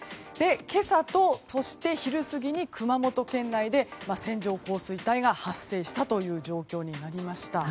今朝と昼過ぎに熊本県内で線状降水帯が発生したという状況になりました。